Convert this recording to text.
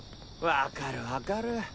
わかるわかる！